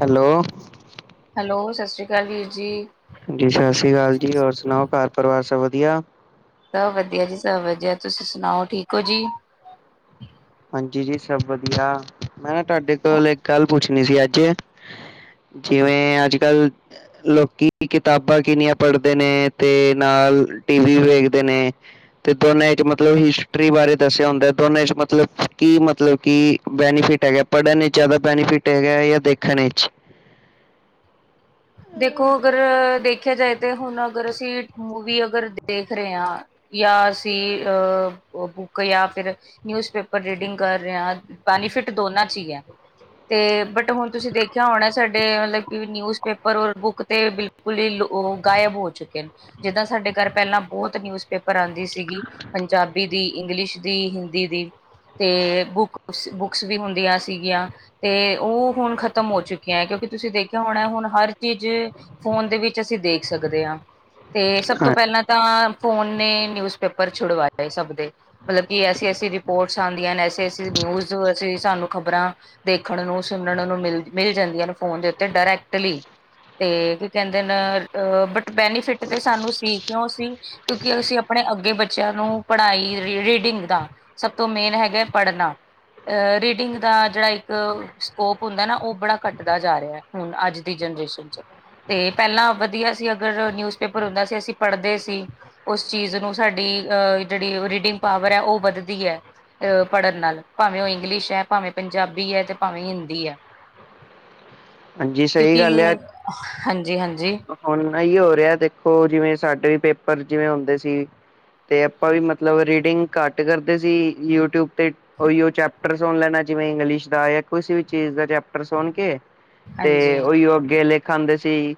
Hello. Hello ਸਸ੍ਰੀ ਕਾਲ ਵੀਰ ਜੀ। ਜੀ ਸਸੀ ਕਾਲ ਜੀ ਹੋਰ ਸੁਣਾਓ ਘਰ ਪਰਿਵਾਰ ਸਬ ਵਦੀਆਂ। ਸਬ ਵਦੀਆਂ ਜੀ ਸਬ ਵਦੀਆਂ, ਤੁਸੀਂ ਸੁਣਾਓ ਠੀਕ ਓ ਜੀ। ਹਾਂਜੀ ਜੀ ਸਬ ਵਦੀਆਂ ਮੈਂ ਨਾ ਤੁਆਡੇ ਕੋਲ਼ ਇੱਕ ਗੱਲ ਪੁੱਛਣੀ ਸੀ ਆੱਜ ਜਿਵੇਂ ਆੱਜ-ਕੱਲ ਲੋਕੀ ਕਿਤਾਬਾਂ ਕਿੰਨੀਆਂ ਪੜ੍ਹਦੇ ਨੇ ਤੇ ਨਾਲ ਟੀ ਵੀ ਵੇਖਦੇ ਨੇ ਤੇ ਦੋਂਨੇਂ ਚ ਮਤਲਬ ਹਿਸਟਰੀ ਬਾਰੇ ਦੱਸਿਆ ਹੁੰਦਾ ਦੋਂਨੇਂ ਚ ਮਤਲਬ ਕੀ ਮਤਲਬ ਕਿ ਬੈਨੀਫਿਟ ਹੈਗਾ ਪੜ੍ਹਨ ਇੱਚ ਜਾਦਾ ਬੈਨੀਫਿਟ ਹੈਗਾ ਥਾ ਦੇਖਣ ਇੱਚ। ਦੇਖੋਂ ਅਗਰ ਦੇਖਿਆਂ ਜਾਏ ਤੇ ਹੁਣ ਅਗਰ ਅਸੀਂ ਮੂਵੀ ਅਗਰ ਦੇਖ ਰਹੇ ਆ ਯਾ ਅਸੀਂ ਅ ਬੁੱਕ ਯਾ ਫਿਰ ਨਿਊਜ਼ਪੇਪ ਰ ਰੀਡਿੰਗ ਕਰ ਰਹੇਂ ਆ ਬੈਨੀਫਿਟ ਦੋਨਾਂ ਚ ਈ ਐ। ਤੇ ਬਟ ਹੁਣ ਤੁਸੀਂ ਦੇਖਿਆਂ ਹੋਣਾ ਸਾਡੇ ਮਲਬ ਨਿਊਜ਼ ਪੇਪਰ ਔਰ ਬੁੱਕ ਤੇ ਬਿਲਕੁਲ ਈ ਲੋ ਗਾਇਬ ਹੋ ਚੁੱਕੇ ਨੇ। ਜਿੱਦਾਂ ਸਾਡੇ ਕਰ ਪੈਲਾਂ ਬੋਹਤ ਨਿਊਜ਼ ਪੇਪਰ ਆਂਦੀ ਸੀਗੀ। ਪੰਜਾਬੀ ਦੀ, ਇੰਗਲਿਸ਼ ਦੀ, ਹਿੰਦੀ ਦੀ। ਤੇ ਬੁੱਕ ਸ ਬੁੱਕਸ ਵੀ ਹੁੰਦੀਆਂ ਸੀਗੀਆ। ਤੇ ਉਹ ਹੁਣ ਖ਼ਤਮ ਹੋ ਚੁੱਕੀਆਂ ਕਿਉਂਕਿ ਤੁਸੀਂ ਦੇਖਿਆ ਹੋਣਾ ਹੁਣ ਹਰ ਚੀਜ਼ ਫ਼ੋਨ ਦੇ ਵਿੱਚ ਅਸੀਂ ਦੇਖ ਸਕਦੇ ਆ ਤੇ ਸਭ ਤੋਂ ਹਾਂ ਪੈਲਾਂ ਦਾ ਫ਼ੋਨ ਨੇ ਨਿਊਜ਼ ਪੇਪਰ ਛੁਡਵਾਏ ਸਭ ਦੇ। ਮਲਬ ਕਿ ਐਸੀ-ਐਸੀ ਰਿਪੋਰਟਸ ਆਂਦੀਆਂ ਨੇ ਐਸੀ-ਐਸੀ ਨਿਊਜ਼ ਅਸੀਂ ਸਾਨੂੰ ਖ਼ਬਰਾਂ ਦੇਖਣ ਨੂੰ ਸੁਣਨ ਨੂੰ ਮਿਲ, ਮਿਲ ਜਾਂਦੀਆਂ ਨੇ ਫ਼ੋਨ ਦੇ ਉੱਤੇ ਡਾਇਰੈਕਟਲੀ। ਤੇ ਕੀ ਕਹਿੰਦੇ ਨੇ ਅ ਬਟ ਬੈਨੀਫਿਟ ਤੇ ਸਾਨੂੰ ਸੀ ਕਿਉਂ ਸੀ ਕਿਉਂਕਿ ਅਸੀਂ ਆਪਣੇ ਅੱਗੇ ਬੱਚਿਆਂ ਨੂੰ ਪੜ੍ਹਾਈ ਰੀਡਿੰਗ ਦਾ ਸਭ ਤੋਂ ਮੇਨ ਹੈਗਾ ਪੜ੍ਹਨਾ। ਅਹ ਰੀਡਿੰਗ ਦਾ ਜੇੜਾ ਇੱਕ ਸਕੋਪ ਹੁੰਦਾ ਨਾ ਉਹ ਬੜਾ ਘੱਟਦਾ ਜਾ ਰਿਆ ਹੁਣ ਅੱਜ ਦੀ ਜੇਨਰੇਸ਼ਨ ਚ ਤੇ ਪੈਲਾਂ ਵਧੀਆਂ ਸੀ ਅਗਰ ਨਿਊਜ਼ਪੇਪਰ ਹੁੰਦਾ ਸੀ ਅਸੀਂ ਪੜ੍ਹਦੇ ਸੀ। ਉਸ ਚੀਜ਼ ਨੂੰ ਸਾਡੀ ਅਹ ਜੇੜੀ ਰੀਡਿੰਗ ਪਾਵਰ ਐ ਉਹ ਵੱਧਦੀ ਐ। ਅਹ ਪੜ੍ਹਨ ਨਾਲ ਭਾਵੇਂ ਉਹ ਇੰਗਲਿਸ਼ ਐ, ਭਾਵੇਂ ਪੰਜਾਬੀ ਐ ਤੇ ਭਾਵੇਂ ਹਿੰਦੀ ਐ। ਹਾਂਜੀ ਸਹੀ ਗੱਲ ਕਿਉਂਕਿ ਆ ਹਾਂਜੀ-ਹਾਂਜੀ। ਹੁਣ ਐਈਔ ਹੋ ਰਿਹਾ ਦੇਖੋਂ ਜਿਵੇਂ ਸਾਡੇ ਪੇਪਰ ਜਿਵੇਂ ਹੁੰਦੇ ਸੀ ਤੇ ਆਪਾਂ ਵੀ ਮਤਲਬ ਰੀਡਿੰਗ ਘੱਟ ਕਰਦੇ ਸੀ ਯੂਟਿਊਬ ਤੇ ਉਹੀਓ ਚੈਪਟਰ ਸੁਣ ਲੈਣਾ ਜਿਵੇਂ ਇੰਗਲਿਸ਼ ਦਾ ਜਾਂ ਕਿਸੇ ਵੀ ਚੀਜ਼ ਦਾ ਚੈਪਟਰ ਸੁਣ ਕੇ ਤੇ ਹਾਂਜੀ ਉਹੀਓ ਅੱਗੇ ਲਿਖ ਆਂਦੇ ਸੀ।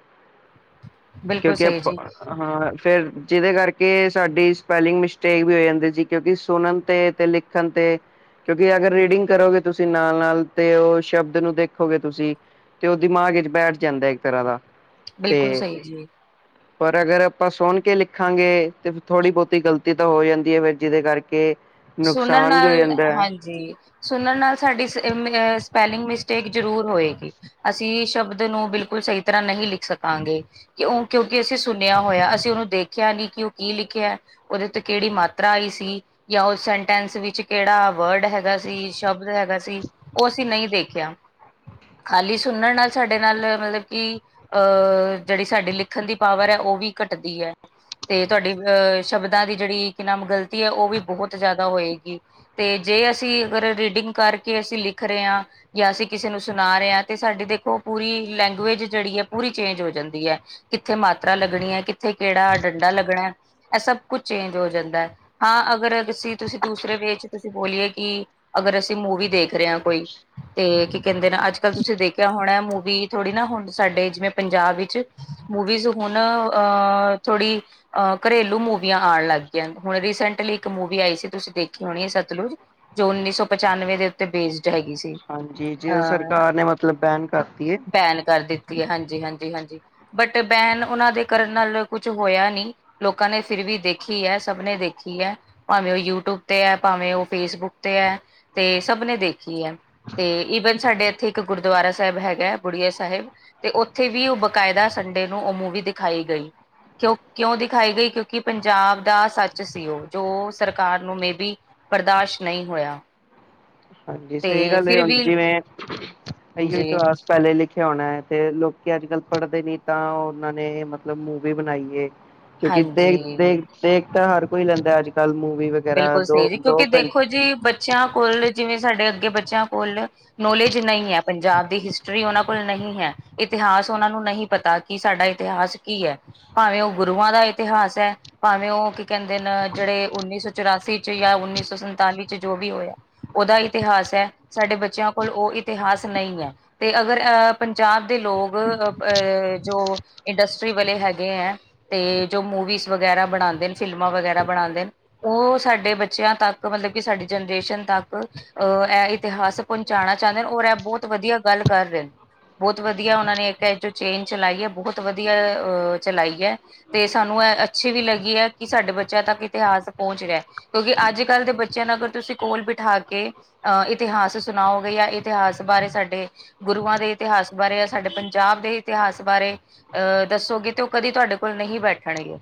ਬਿਲਕੁਲ ਕਿਉਂਕਿ ਸਹੀ ਆਪ ਜੀ, ਆ ਹਾਂ ਫ਼ੇਰ ਜਿਦੇ ਕਰਕੇ ਸਾਡੀ ਸਪੈਲਿੰਗ ਮਿਸਟੇਕ ਵੀ ਹੋ ਜਾਂਦੀ ਸੀ ਕਿਉਂਕਿ ਸੁਣਨ ਤੇ-ਤੇ ਲਿਖ ਖਣ ਤੇ ਕਿਉਂਕਿ ਅਗਰ ਰੀਡਿੰਗ ਕਰੋਗੇ ਤੁਸੀਂ ਨਾਲ-ਨਾਲ ਤੇ ਉਹ ਸ਼ਬਦ ਨੂੰ ਦੇਖੋਗੇ ਤੁਸੀਂ। ਤੇ ਉਹ ਦਿਮਾਗ ਇਚ ਬੈਠ ਜਾਂਦਾ ਇੱਕ ਤਰਾ ਦਾ। ਬਿਲਕੁਲ ਤੇ ਸਈ ਜੀ। ਪਰ ਅਗਰ ਆਪਾਂ ਸੁਣ ਕੇ ਲਿਖਾਂਗੇ ਤੇ ਥੋੜ੍ਹੀ ਬੋਹਤੀ ਗ਼ਲਤੀ ਤਾਂ ਹੋ ਜਾਂਦੀ ਐ ਫੇਰ ਜਿਦੇ ਕਰਕੇ ਸੁਣਨ ਨੁਕਸਾਨ ਵੀ ਹੋ ਨਾਲ ਜਾਂਦਾ ਹੈ ਹਾਂਜੀ ਸੁਣਨ ਨਾਲ਼ ਸਾਡੀ ਸਪੈਲਿੰਗ ਮਿਸਟੇਕ ਜ਼ਰੂਰ ਹੋਏਗੀ। ਅਸੀਂ ਸ਼ਬਦ ਨੂੰ ਬਿਲਕੁਲ ਸਈ ਤਰ੍ਹਾਂ ਨਹੀ ਲਿਖ ਸਕਾਂਗੇ। ਕਿਉ ਕਿਉਂਕਿ ਅਸੀਂ ਸੁਣਿਆ ਹੋਇਆ ਅਸੀਂ ਓਨੂੰ ਦੇਖਿਆ ਨੀ ਕਿ ਓ ਕੀ ਲਿਖਿਆ। ਉਦੇ ਉੱਤੇ ਕੇੜੀ ਮਾਤਰਾ ਆਈ ਸੀ ਜਾਂ ਉਹ ਸੈਂਟੈਂਸ ਵਿੱਚ ਕੇੜਾ ਵਲਡ ਹੈਗਾ ਸੀ, ਸ਼ਬਦ ਹੈਗਾ ਸੀ, ਓ ਅਸੀਂ ਨਈ ਦੇਖਿਆ। ਖਾਲੀ ਸੁਣਨ ਨਾਲ ਸਾਡੇ ਨਾਲ ਮਤਲਬ ਕਿ ਅ ਜੇੜੀ ਸਾਡੀ ਲਿਖਣ ਦੀ ਪਾਵਰ ਐ ਓ ਵੀ ਘੱਟਦੀ ਐ। ਤੇ ਤੁਹਾਡੀ ਅਹ ਸ਼ਬਦਾਂ ਦੀ ਜੇੜੀ ਕਿ ਨਾਮ ਗ਼ਲਤੀ ਹੈ ਉਹ ਵੀ ਬੋਹਤ ਜਾਦਾ ਹੋਏਗੀ। ਤੇ ਜੇ ਅਸੀਂ ਅਗਰ ਰੀਡਿੰਗ ਕਰਕੇ ਅਸੀਂ ਲਿਖ ਰੇ ਆ ਯਾ ਅਸੀਂ ਕਿਸੇ ਨੂੰ ਸੁਣਾ ਰਹੇ ਹਾਂ ਤੇ ਸਾਡੀ ਦੇਖੋ ਪੂਰੀ ਲੈਂਗੁਏਜ ਜੇੜੀ ਐ ਪੂਰੀ ਚੇਂਜ ਹੋ ਜਾਂਦੀ ਐ। ਕਿੱਥੇ ਮਾਤਰਾ ਲੱਗਣੀ ਏ, ਕਿੱਥੇ ਕਿਹੜਾ ਡੰਡਾ ਲੱਗਣਾ। ਇਹ ਸਭ ਕੁਛ ਚੇਂਜ ਹੋ ਜਾਂਦਾ, ਹਾਂ ਅਗਰ ਅਸੀ ਤੁਸੀਂ ਦੂਸਰੇ ਵੇ ਚ ਤੁਸੀਂ ਬੋਲੀਏ ਕਿ ਅਗਰ ਅਸੀਂ ਮੂਵੀ ਦੇਖ ਰਹੇ ਹਾਂ ਕੋਈ ਤੇ ਕੀ ਕਹਿੰਦੇ ਨੇ ਅੱਜ ਕੱਲ੍ਹ ਤੁਸੀਂ ਦੇਖਿਆ ਹੋਣਾ ਮੂਵੀ ਥੋੜ੍ਹੀ ਨਾ ਹੁਣ ਸਾਡੇ ਜਿਵੇਂ ਪੰਜਾਬ ਵਿੱਚ ਮੁੂਵੀਜ਼ ਹੁਣ ਅ ਥੋੜੀ ਅਹ ਘਰੇਲੂ ਮੂਵੀਆਂ ਆਉਣ ਲੱਗ ਗਈਆਂ, ਹੁਣ ਰੀਸੈਂਟਲੀ ਇੱਕ ਮੂਵੀ ਆਈ ਸੀ ਤੁਸੀਂ ਦੇਖੀ ਹੋਣੀ ਸਤਲੁਜ, ਜੋ ਉੱਨੀ ਸੌ ਪਚਾਨਵੇਂ ਦੇ ਉੱਤੇ ਬੇਸ ਹੈਗੀ ਸੀ ਹਾਂਜੀ ਜੇ ਅ ਸਰਕਾਰ ਨੇ ਮਤਲਬ ਬੈਨ ਕਰਤੀ ਹੈ ਬੈਨ ਕਰ ਦਿੱਤੀ। ਹਾਂਜੀ, ਹਾਂਜੀ, ਹਾਂਜੀ ਬਟ ਬੈਨ ਉਹਨਾਂ ਦੇ ਕਰਨ ਨਾਲ ਕੁਛ ਹੋਇਆ ਨੀ ਲੋਕਾਂ ਨੇ ਫਿਰ ਵੀ ਦੇਖੀ ਹੈ, ਸਭ ਨੇ ਦੇਖੀ ਹੈ। ਭਾਵੇਂ ਉਹ ਯੂਟਿਊਬ ਤੇ ਆ, ਭਾਵੇਂ ਉਹ ਫੇਸਬੁੱਕ ਤੇ ਆ, ਤੇ ਸਭਨੇ ਦੇਖੀ ਆ। ਤੇ ਈਵਨ ਸਾਡੇ ਇੱਥੇ ਇੱਕ ਗੁਰਦੁਆਰਾ ਸਾਹਿਬ ਹੈਗਾ, ਬੁੜੀਆ ਸਾਹਿਬ ਤੇ ਉੱਥੇ ਵੀ ਉਹ ਬਕਾਇਦਾ ਸੰਡੇ ਨੂੰ ਉਹ ਮੂਵੀ ਦਿਖਾਈ ਗਈ। ਕਿਉਂ, ਕਿਉਂ ਦਿਖਾਈ ਗਈ ਕਿਉਂਕਿ ਪੰਜਾਬ ਦਾ ਸੱਚ ਸੀ ਉਹ। ਜੋ ਸਰਕਾਰ ਨੂੰ ਮੇਬੀ ਬਰਦਾਸ਼ ਨਹੀਂ ਹੋਇਆ। ਹਾਂਜੀ, ਸਹੀ ਤੇ ਗੱਲ ਏ ਫਿਰ ਹੁਨ, ਵੀ ਜਿਵੇਂ [unintelligible] ਜੀ ਅ ਪਹਿਲੇ ਲਿਖਿਆ ਹੋਣਾ ਹੈ ਤੇ ਲੋਕ ਅੱਜ ਕੱਲ੍ਹ ਪੜ੍ਹਦੇ ਨਹੀਂ ਤਾਂ ਉਹਨਾਂ ਨੇ ਮਤਲਬ ਮੂਵੀ ਬਣਾਈ ਏ ਕਿਉਂਕਿ ਦੇਖ, ਹਾਂਜੀ ਦੇਖ, ਦੇਖ ਤਾਂ ਹਰ ਕੋਈ ਲੈਂਦਾ ਅੱਜੱਕ ਕਲ ਮੂਵੀ ਵਗੈਰਾ ਬਿਲਕੁਲ ਸਹੀ ਦੋ, ਜੀ ਦੋ ਕਿਉਂਕਿ ਘੰਟ ਦੇਖੋ [unintelligible] ਬੱਚਿਆਂ ਕੋਲ ਜਿਵੇਂ ਸਾਡੇ ਅੱਗੇ ਬੱਚਿਆਂ ਕੋਲ ਨੌਲੇਜ ਨਹੀਂ ਹੈ ਪੰਜਾਬ ਦੀ ਹਿਸਟਰੀ ਉਹਨਾ ਕੋਲ ਨਹੀਂ ਹੈ ਇਤਿਹਾਸ ਉਹਨਾਂ ਨੂੰ ਨਹੀਂ ਪਤਾ, ਕਿ ਸਾਡਾ ਇਤਿਹਾਸ ਕੀ ਹੈ ਭਾਵੇਂ ਉਹ ਗੁਰੂਆਂ ਦਾ ਇਤਿਹਾਸ ਹੈ, ਭਾਵੇਂ ਉਹ ਕੀ ਕਹਿੰਦੇ ਨੇ ਜਿਹੜੇ ਉੱਨੀ ਸੌ ਚੁਰਾਸੀ ਚ ਯਾ ਉੱਨੀ ਸੌ ਸੰਤਾਲੀ ਚ ਜੋ ਵੀ ਹੋਇਆ, ਉਹਦਾ ਇਤਿਹਾਸ ਹੈ, ਸਾਡੇ ਬੱਚਿਆਂ ਕੋਲ ਉਹ ਇਤਿਹਾਸ ਨਹੀਂ ਹੈ। ਤੇ ਅਗਰ ਅਹ ਪੰਜਾਬ ਦੇ ਲੋਕ ਅ ਅਹ ਜੋ ਇੰਡਸਟਰੀ ਵਾਲੇ ਹੈਗੇ ਆ ਤੇ ਜੋ ਮੂਵੀਜ਼ ਵਗੈਰਾ ਬਣਾਉਂਦੇ ਨੇ ਫਿਲਮਾਂ ਵਗੈਰਾ ਬਣਾਉਂਦੇ ਨੇ ਉਹ ਸਾਡੇ ਬੱਚਿਆਂ ਤੱਕ ਮਤਲਬ ਕਿ ਸਾਡੀ ਜਨਰੇਸ਼ਨ ਤੱਕ ਅਹ ਇਹ ਇਤਿਹਾਸ ਪਹੁੰਚਾਣਾ ਚਾਹੁੰਦੇ ਔਰ ਇਹ ਬਹੁਤ ਵਧੀਆ ਗੱਲ ਕਰ ਰਹੇ ਨੇ ਬਹੁਤ ਵਧੀਆ ਉਹ ਨੇ ਇੱਕ ਜੋ ਚੇਨ ਚਲਾਈ ਆ ਬਹੁਤ ਵਧੀਆ ਚਲਾਈ ਏ। ਤੇ ਸਾਨੂੰ ਇਹ ਅੱਛੀ ਵੀ ਲੱਗੀ ਹੈ ਕਿ ਸਾਡੇ ਬੱਚਿਆਂ ਤੱਕ ਇਤਿਹਾਸ ਪਹੁੰਚ ਰਿਹਾ। ਕਿਉਂਕਿ ਅੱਜ ਕੱਲ੍ਹ ਦੇ ਬੱਚਿਆਂ ਨੂੰ ਅਗਰ ਤੁਸੀਂ ਕੋਲ ਬਿਠਾ ਕੇ ਅਹ ਇਤਿਹਾਸ ਸੁਣਾਓਗੇ ਜਾਂ ਇਤਿਹਾਸ ਬਾਰੇ ਸਾਡੇ ਗੁਰੂਆਂ ਦੇ ਇਤਿਹਾਸ ਬਾਰੇ ਜਾਂ ਸਾਡੇ ਪੰਜਾਬ ਦੇ ਇਤਿਹਾਸ ਬਾਰੇ ਅਹ ਦੱਸੋਗੇ ਤੇ ਉਹ ਕਦੀ ਤੁਹਾਡੇ ਕੋਲ ਨਹੀਂ ਬੈਠਣਗੇ।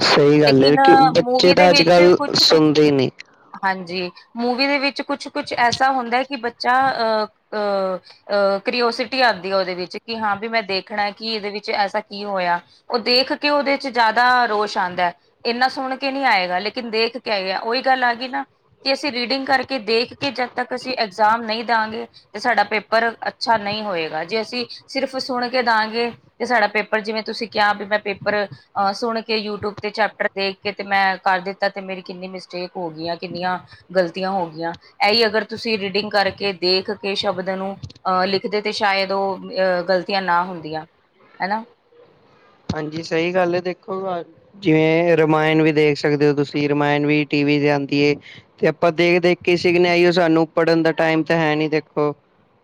ਸਹੀ ਤੇ ਗੱਲ ਕੀ ਹੈ ਨਾਂ ਕਿ ਬੱਚੇ ਮੂਵੀ ਦੇ ਤਾਂ ਅੱਜ ਵਿੱਚ ਕੱਲ੍ਹ ਕੁਛ- ਕੁਛ ਸੁਣਦੇ ਹੀ ਨਹੀਂ ਹਾਂਜੀ, ਮੂਵੀ ਦੇ ਵਿੱਚ ਕੁਛ -ਕੁਛ ਐਸਾ ਹੁੰਦਾ ਕਿ ਬੱਚਾ ਅਹ ਅ ਅਹ ਕਰਿਓਸਿਟੀ ਆਉਂਦੀ ਆ ਉਹਦੇ ਵਿੱਚ ਕਿ ਹਾਂ ਵੀ ਮੈਂ ਦੇਖਣਾ ਕਿ ਇਹਦੇ ਵਿੱਚ ਐਸਾ ਕੀ ਹੋਇਆ ਉਹ ਦੇਖ ਕੇ ਉਹਦੇ ਚ ਜ਼ਿਆਦਾ ਰੋਸ਼ ਆਦਾ ਇੰਨਾ ਸੁਣ ਕੇ ਨਹੀਂ ਆਏਗਾ [unintelligible] ਲੇਕਿਨ ਦੇਖ ਕੇ ਆ ਉਹੀ ਗੱਲ ਆ ਗਈ ਨਾ। ਤੇ ਅਸੀਂ ਰੀਡਿੰਗ ਕਰਕੇ ਦੇਖ ਕੇ ਜਦ ਤੱਕ ਅਸੀਂ ਇਗਜ਼ਾਮ ਨਹੀਂ ਦਾਂਗੇ ਤੇ ਸਾਡਾ ਪੇਪਰ ਅੱਛਾ ਨਹੀਂ ਹੋਏਗਾ ਜੇ ਅਸੀਂ ਸਿਰਫ ਸੁਣ ਕੇ ਦਵਾਂਗੇ ਤੇ ਸਾਡਾ ਪੇਪਰ ਜਿਵੇਂ ਤੁਸੀਂ ਕਿਹਾ ਭੀ ਮੈਂ ਪੇਪਰ ਸੁਣ ਕੇ ਯੂਟਿਊਬ ਤੇ ਚੈਪਟਰ ਦੇਖ ਕੇ ਤੇ ਮੈਂ ਕਰ ਦਿੱਤਾ ਤੇ ਮੇਰੀ ਕਿੰਨੀ ਮਿਸਟੇਕ ਹੋ ਗਈਆਂ ਕਿੰਨੀਆਂ ਗ਼ਲਤੀਆਂ ਹੋ ਗਈਆਂ ਇਹੀ ਅਗਰ ਤੁਸੀਂ ਰੀਡਿੰਗ ਕਰਕੇ, ਦੇਖ ਕੇ ਸ਼ਬਦ ਨੂੰ ਅਹ ਲਿਖਦੇ ਤੇ ਸ਼ਾਇਦ ਉਹ ਗ਼ਲਤੀਆਂ ਨਾ ਹੁੰਦੀਆਂ, ਹੈਨਾ। ਹਾਂਜੀ ਸਈ ਗੱਲ ਏ ਦੇਖੋ ਲਵਾ ਕੇ ਜਿਵੇਂ ਰਮਾਇਣ ਵੀ ਦੇਖ ਸਕਦੇ ਓ ਤੁਸੀਂ, ਰਮਾਇਣ ਵੀ ਟੀ ਵੀ ਤੇ ਆਂਦੀ ਏ। ਤੇ ਆਪਾਂ ਦੇਖ ਦੇਖ ਕੇ ਈ ਸਿਖਨਾ, ਐਈਓ ਸਾਨੂੰ ਪੜ੍ਹਨ ਦਾ ਟਾਈਮ ਤਾਂ ਹੈ ਨੀ ਦੇਖੋ।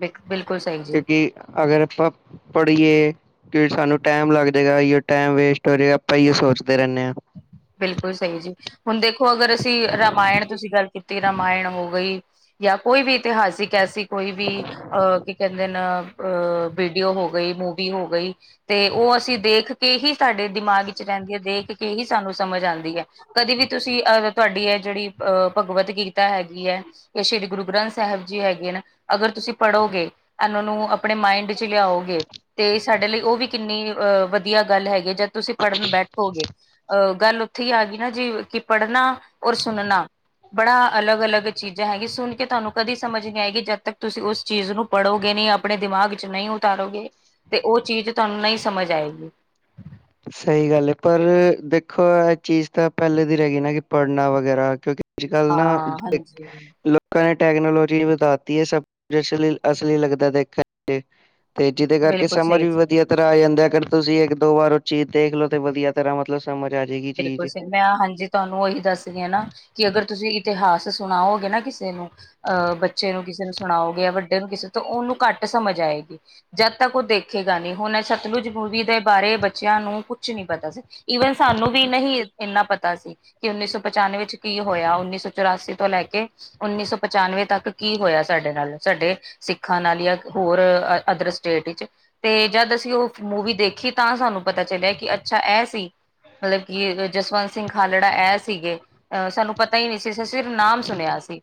ਬਿਲ ਬਿਲਕੁਲ ਸਈ ਜੀ। ਕਿਉਂਕਿ ਅਗਰ ਆਪਾਂ ਪੜ੍ਹੀਏ ਕੀ ਸਾਨੂੰ ਟੈਮ ਲੱਗ ਜੇਗਾ ਐਈਓ ਟੈਮ ਵੇਸਟ ਹੋ ਜੇ ਆਪਾਂ ਐਈਓ ਸੋਚਦੇ ਰੈਣੇ ਆਂ। ਬਿਲਕੁਲ ਸਈ ਜੀ, ਹੁਣ ਦੇਖੋ ਅਗਰ ਅਸੀਂ ਰਾਮਾਇਣ ਤੁਸੀਂ ਗੱਲ ਤੇ ਕੀਤੀ ਰਾਮਾਇਣ ਹੋ ਗਈ, ਜਾਂ ਕੋਈ ਵੀ ਇਤਿਹਾਸਿਕ ਐਸੀ ਕੋਈ ਵੀ ਅ ਕੀ ਕੈੈਦੇ ਨਾ ਅ ਵੀਡੀਓ ਹੋ ਗਈ, ਮੂਵੀ ਹੋ ਗਈ। ਤੇ ਓ ਅਸੀਂ ਦੇਖ ਕੇ ਹੀ ਸਾਡੇ ਦਿਮਾਗ ਵਿੱਚ ਰੈਂਦੀ ਐ, ਦੇਖ ਕੇ ਹੀ ਸਾਨੂੰ ਸਮਝ ਆਂਦੀ ਹੈ। ਕਦੀ ਵੀ ਤੁਸੀਂ ਅਹ ਤੁਆਡੀ ਐ ਜੜੀ ਅਹ ਭਗਵਤ ਗੀਤਾ ਹੈਗੀ ਐ। ਤੇ ਸ਼੍ਰੀ ਗੁਰੂ ਗ੍ਰੰਥ ਸੈਹਬ ਜੀ ਹੈਗੇ ਨੇ, ਅਗਰ ਤੁਸੀਂ ਪੜ੍ਹੋਗੇ ਏਨਾਂ ਨੂੰ ਆਪਣੇ ਮਾਇੰਡ 'ਚ ਲਿਆਓਗੇ, ਤੇ ਸਾਡੇ ਲਈ ਓ ਵੀ ਕਿੰਨੀ ਅਹ ਵਧੀਆ ਗੱਲ ਹੈਗੀ ਜਦ ਤੁਸੀਂ ਪੜ੍ਹਨ ਬੈਠੋਗੇ। ਅਹ ਗੱਲ ਓਥੇ ਈ ਆ ਗਈ ਨਾ ਜੀ ਕੀ ਪੜ੍ਹਨਾ ਔਰ ਸੁਣਨਾ। ਬੜਾ ਅਲੱਗ ਅਲੱਗ ਚੀਜ਼ਾਂ ਹੈਗੀ, ਸੁਣ ਕੇ ਤਾਨੂੰ ਕਦੀ ਸਮਝ ਨੀ ਆਏਗੀ। ਜਦ ਤੱਕ ਤੁਸੀਂ ਉਸ ਚੀਜ਼ ਨੂੰ ਪੜ੍ਹੋਗੇ ਨਈ ਆਪਣੇ ਦਿਮਾਗ 'ਚ ਨਈ ਉਤਾਰੋਗੇ ਤੇ ਓ ਚੀਜ਼ ਤਾਨੂੰ ਨਈ ਸਮਝ ਆਏਗੀ। ਸਈ ਗੱਲ ਏ, ਪਰ ਦੇਖੋ ਐ ਚੀਜ਼ ਤਾਂ ਪੈਲੇ ਦੀ ਰਏ ਗੀ ਨਾ, ਕੀ ਪੜ੍ਹਨਾ ਵਗੈਰਾ ਕਿਉਂਕਿ ਅਜ ਕਲ ਹਾਂ ਨਾ--ਲ ਹਾਂਜੀ ਕੈਂ ਟੈਕਨੋਲੋਜੀ ਵਧਾਤੀ ਏ ਸਭ ਕੁਛ ਅਸਲੀ -ਅਸਲੀ ਲਗਦਾ ਦੇਖਣ 'ਚ। ਤੇ ਜੀਦੇ ਕਰਕੇ ਬਿਲਕੁਲ ਸਮਰ ਸਹੀ ਵੀ ਜੀ ਵਧੀਆ ਤਰਾਂ ਆ ਜਾਂਦਾ ਅਗਰ ਤੁਸੀਂ ਇੱਕ ਦੋ ਵਾਰ ਓ ਚੀਜ਼ ਦੇਖ ਲੋ, ਤੇ ਵਧੀਆ ਤਰ੍ਹਾਂ ਮਤਲਬ ਸਮਝ ਆ ਜਾਏਗੀ ਬਿਲਕੁਲ ਚੀਜ਼। ਸਹੀ ਮੈਂ ਹਾਂਜੀ ਤਾਨੂੰ ਓਹੀ ਦੱਸ ਰੀ ਨਾ ਕੀ ਅਗਰ ਤੁਸੀਂ ਇਤਿਹਾਸ ਸੁਣਾਓਗੇ ਨਾ ਕਿਸੇ ਨੂੰ। ਅਹ ਬੱਚੇ ਨੂੰ ਕਿਸੇ ਨੂੰ ਸੁਣਾਓਗੇ, ਜਾਂ ਵੱਡੇ ਨੂੰ ਕਿਸੇ ਤੋਂ ਓਨੂੰ ਘੱਟ ਸਮਝ ਆਏਗੀ। ਜਦ ਤੱਕ ਓ ਦੇਖੇਗਾ ਨੀ, ਹੁਣ ਸਤਲੁਜ ਮੂਵੀ ਦੇ ਬਾਰੇ ਬੱਚਿਆਂ ਨੂੰ ਕੁਛ ਨੀ ਪਤਾ ਸੀ। ਈਵਨ ਸਾਨੂੰ ਵੀ ਨਹੀਂ ਏਨਾ ਪਤਾ ਸੀ। ਕੀ ਉੱਨੀ ਸੌ ਪਚਾਨਵੇਂ 'ਚ ਕੀ ਹੋਇਆ, ਉੱਨੀ ਸੌ ਚੁਰਾਸੀ ਤੋਂ ਲੈਕੇ। ਉੱਨੀ ਸੌ ਪਚਾਨਵੇਂ ਤੱਕ ਕੀ ਹੋਇਆ ਸਾਡੇ ਨਾਲ। ਸਾਡੇ ਸਿੱਖਾਂ ਨਾਲ ਜਾਂ ਹੋਰ ਅਦਰ ਸਟੇਟ ਇਚ। ਤੇ ਜਦ ਅਸੀਂ ਮੂਵੀ ਦੇਖੀ ਤਾਂ ਸਾਨੂੰ ਪਤਾ ਚੱਲਿਆ ਕੀ ਅੱਛਾ ਐ ਸੀ। ਮਲਬ ਕੀ ਜਸਵੰਤ ਸਿੰਘ ਖਾਲੜਾ ਐ ਸੀਗੇ। ਸਾਨੂੰ ਪਤਾ ਈ ਨੀ ਸੀ, ਅਸੀ ਸਿਰ ਨਾਮ ਸੁਣਿਆ ਸੀ।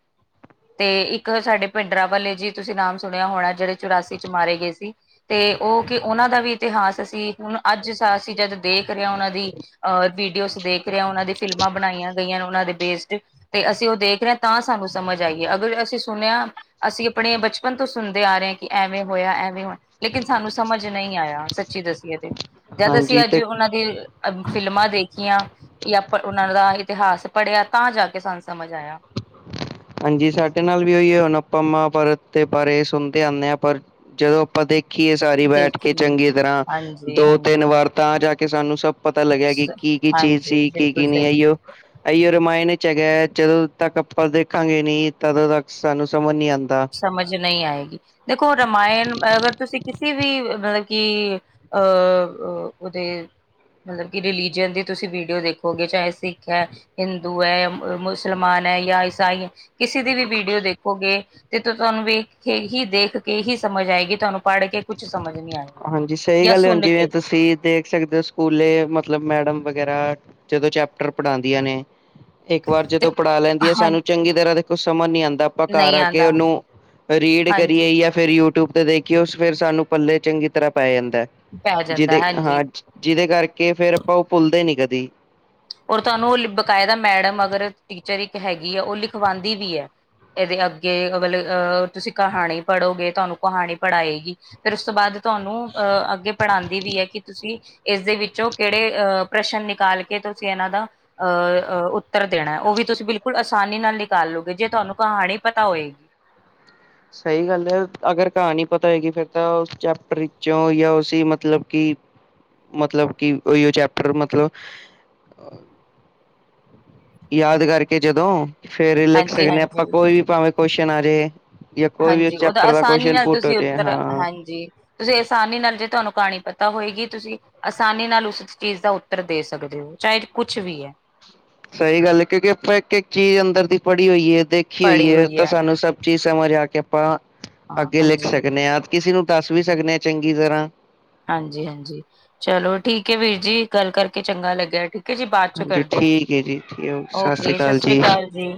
ਤੇ ਇੱਕ ਸਾਡੇ ਭਿੰਡਰਾਂ ਵਾਲੇ ਜੀ ਤੁਸੀਂ ਨਾਮ ਸੁਣਿਆ ਹੋਣਾ ਜੜੇ ਚੁਰਾਸੀ 'ਚ ਮਾਰੇ ਗਏ ਸੀ। ਤੇ ਓ ਕਿ ਓਨਾਂ ਦਾ ਵੀ ਇਤਿਹਾਸ ਅਸੀ ਹੁਣ ਅੱਜ ਅਸੀ ਜਦ ਦੇਖ ਰਿਆਂ ਓਨਾ ਦੀ ਅ ਵੀਡੀਓਜ਼ ਦੇਖ ਰਿਆਂ, ਓਨਾਂ ਦੀ ਫਿਲਮਾਂ ਬਣਾਈਆਂ ਗਈਆਂ ਓਨਾਂ ਬੇਸ ਤੇ। ਤੇ ਅਸੀਂ ਓ ਦੇਖ ਰੇ ਆ ਤਾਂ ਸਾਨੂੰ ਸਮਝ ਆਈ ਏ ਅਗਰ ਅਸੀਂ ਸੁਣਿਆ ਅਸੀਂ ਆਪਣੇ ਬਚਪਨ ਤੋਂ ਸੁਣਦੇ ਆ ਰੇ ਆ ਕੀ ਐਵੇਂ ਹੋਇਆ, ਐਵੇਂ ਹੋਇਆ। ਲੇਕਿਨ ਸਾਨੂੰ ਸਮਝ ਨਈ ਆਇਆ ਸੱਚੀ ਦੱਸੀਏ ਤੇ, ਜਦ ਅਸੀਂ ਹਾਂਜੀ ਅੱਜ ਤੇ ਓਨਾਂ ਦੀ ਫਿਲਮਾਂ ਦੇਖੀਆਂ ਜਾਂ ਓਨਾਂ ਦਾ ਇਤਿਹਾਸ ਪੜ੍ਹਿਆ, ਤਾਂ ਜਾ ਕੇ ਸਾਨੂੰ ਸਮਝ ਆਇਆ। ਹਾਂਜੀ ਸਾਡੇ ਨਾਲ ਵੀ ਓਈਓ, ਹੁਣ ਆਪਾਂ ਮਹਾਭਾਰਤ ਦੇ ਬਾਰੇ ਸੁਣਦੇ ਆਨੇ ਆਂ, ਪਰ ਜਦੋਂ ਆਪਾਂ ਦੇਖ ਦੇਖੀ ਏ ਸਾਰੀ ਬੈਠ ਕੇ ਦੇਖੀਏ ਚੰਗੀ ਤਰਾਂ, ਹਾਂਜੀ, ਦੋ ਹਾਂਜੀ, ਤਿੰਨ ਤਾਂ ਜਾ ਕੇ ਸਾਨੂੰ ਸਭ ਪਤਾ ਲਗਿਆ ਕਿ ਸ- ਕੀ- ਕੀ ਚੀਜ਼ ਹਾਂਜੀ ਸੀ ਕੀ ਬਿਲਕੁਲ -ਕੀ ਨੀ ਸਹੀ। ਐਈਓ- ਅਈਓ ਰਮਾਇਣ 'ਚ ਹੈਗਾ, ਜਦੋ ਤਕ ਆਪਾਂ ਦੇ ਦੇਖਾਂਗੇ ਨੀ, ਤਦੋਂ ਤੱਕ ਸਾਨੂੰ ਸਮਝ ਨੀ ਆਂਦੀ। ਸਮਝ ਨਈ ਆਏਗੀ। ਦੇਖੋ ਰਮਾਇਣ ਅਗਰ ਤੁਸੀਂ ਕਿਸੇ ਵੀ ਮਲਬ ਕੀ ਅਹ ਅਹ ਓਦੇ ਮਤਲਬ ਕਿ ਰਿਲੀਜਯਨ ਦੀ ਤੁਸੀਂ ਵੀਡੀਓ ਦੇਖੋਗੇ ਚਾਹੇ ਸਿੱਖ ਆ ਹਿੰਦੂ ਐ, ਮੁਸਲਮਾਨ ਐ ਯਾਂ ਈਸਾਈ ਐ ਕਿਸੇ ਦੀ ਵੀ ਵੀਡੀਓ ਦੇਖੋਗੇ ਤੇ ਤੁਆਨੂੰ ਵੇਖ ਕੇ ਈ ਦੇਖ ਕੇ ਹੀ ਸਮਝ ਆਏਗੀ ਤੁਆਨੂੰ ਪੜ੍ਹ ਕੇ ਕੁਛ ਸਮਝ ਨੀ ਆਏਂਗਾ ਹਾਂਜੀ ਸਹੀ ਯਾਂ ਗੱਲ ਹੈ ਹੁਣ ਸੁਣ ਜਿਵੇਂ ਕੇ ਤੁਸੀਂ ਦੇਖ ਸਕਦੇ ਓ ਸਕੂਲੇ ਮਤਲਬ ਮੈਡਮ ਵਗੈਰਾ ਜਦੋਂ ਚੈਪਟਰ ਪੜ੍ਹਾਂਦੀਆਂ ਨੇ ਇੱਕ ਵਾਰ ਤੇ ਜਦੋਂ ਪੜ੍ਹਾ ਲੈਂਦੀਆ ਹਾਂ ਸਾਨੂੰ ਚੰਗੀ ਤਰ੍ਹਾਂ ਦੇਖੋ ਸਮਝ ਨੀ ਆਂਦਾ ਆਪਾ ਕਾਰ ਨਹੀਂ ਆ ਕੇ ਆਉਂਦਾ ਓਨੂੰ ਰੀਡ ਕਰੀਏ ਹਾਂਜੀ ਯਾ ਫਿਰ ਯੂਟਿਊਬ ਤੇ ਦੇਖੀਏ ਉਸ ਫਿਰ ਸਾਨੂੰ ਪੱਲੇ ਚੰਗੀ ਤਰ੍ਹਾਂ ਪੈ ਜਾਂਦਾ ਪੈ ਜਾਂਦਾ ਜਿਦੇ ਹਾਂਜੀ ਹਾਂ ਜਿਦੇ ਕਰਕੇ ਫੇਰ ਆਪਾਂ ਓ ਪੁੱਲਦੇ ਨੀ ਕਦੀ। ਔਰ ਤਾਨੂੰ ਓ ਬਕਾਇਦਾ ਮੈਡਮ ਅਗਰ ਟੀਚਰ ਇੱਕ ਹੈਗੀ ਐਂ ਓ ਲਿਖਵਾਂਦੀ ਵੀ ਐ। ਏਦੇ ਅੱਗੇ ਮਤਲਬ ਅਹ ਤੁਸੀਂ ਕਹਾਣੀ ਪੜ੍ਹੋਗੇ ਤੁਆਨੂੰ ਕਹਾਣੀ ਪੜ੍ਹਾਏਗੀ। ਫਿਰ ਉਸ ਤੋਂ ਬਾਅਦ ਤੁਆਨੂੰ ਅੱਗੇ ਪੜ੍ਹਾਂਦੀ ਵੀ ਐ ਕਿ ਤੁਸੀਂ ਇਸਦੇ ਵਿੱਚੋਂ ਕੇੜੇ ਅਹ ਪ੍ਰਸ਼ਨ ਨਿਕਾਲ ਕੇ ਤੋਂ ਚੈਨਾ ਦਾ ਅ ਅ ਉੱਤਰ ਦੇਣਾ ਓ ਵੀ ਤੁਸੀਂ ਬਿਲਕੁਲ ਆਸਾਨੀ ਨਾਲ ਨਿਕਾਲ ਲੋਗੇ ਜੇ ਤਾਨੂੰ ਕਹਾਨੀ ਪਤਾ ਹੋਏਗੀ। ਸਈ ਗੱਲ ਏ ਅਗਰ ਕਾਹਨੀ ਪਤਾ ਹੈਏਗੀ ਫਿਰ ਤਾਂ ਉਸ ਚੈਪਟਰ ਵਿੱਚੋਂ ਯਾਂ ਉਸੇ ਮਤਲਬ ਕਿ ਮਤਲਬ ਕਿ ਓਈਓ ਚੈਪਟਰ ਮਤਲਬ [unintelligible] ਯਾਦ ਕਰਕੇ ਜਦੋਂ ਫੇਰ ਲਿਖ ਸਕਣੇ ਆ ਆਪਾਂ ਹਾਂਜੀ-ਹਾਂਜੀ ਕੋਈ ਵੀ ਪਾਵੇਂ ਕੋਸ਼ਚਨ ਆ ਜੇ ਜੇ ਕੋਈ ਵੀ ਉਸ ਹਾਂਜੀ ਚੈਪਟਰ ਦਾ ਕੋਸਨ ਪੁਟ ਹੋਜੇ ਹਾਂ। ਜੀ। ਜੇ ਆਸਾਨੀ ਨਾਲ ਜੇ ਤਾਨੂੰ ਕਹਾਨੀ ਪਤਾ ਹੋਏਗੀ ਤੁਸੀਂ ਆਸਾਨੀ ਨਾਲ ਉਸ ਚੀਜ਼ ਦਾ ਉੱਤਰ ਦੇ ਸਕਦੇ ਓ ਚਾਏ ਕੁਛ ਵੀ ਏ। ਸਈ ਗੱਲ ਏ ਕਿਉਂਕਿ ਆਪਾਂ ਇੱਕ-ਇੱਕ ਚੀਜ਼ ਅੰਦਰ ਦੀ ਪੜ੍ਹੀ ਹੋਈਏ ਦੇਖੀ ਪੜ੍ਹੀ ਹੋਈਏ ਹੋਈ ਤਾਂ ਹੈ ਸਾਨੂੰ ਸਭ ਚੀਜ਼ ਸਮਝ ਆ ਕੇ ਆਪਾਂ ਹਾਂ ਅੱਗੇ ਲਿਖ ਹਾਂਜੀ ਸਕਣੇ ਆ, ਕਿਸੇ ਨੂੰ ਦੱਸ ਵੀ ਸਕਣੇ ਆਂ ਚੰਗੀ ਤਰ੍ਹਾਂ ਹਾਂਜੀ-ਹਾਂਜੀ ਚਲੋ ਠੀਕ ਏ ਵੀਰ ਜੀ ਗੱਲ ਕਰਕੇ ਚੰਗਾ ਲੱਗਿਆ ਠੀਕ ਕੇ ਅਸੀ ਬਾਅਦ ਚੋਂ ਹਾਂਜੀ ਕਰਦੇ ਆ ਠੀਕ ਹੈ ਜੀ ਠੀਕ, ਸਤਿ ਸ੍ਰੀ ਓਕੇ ਅਕਾਲ ਸਸਰੀ ਕਾਲ ਜੀ।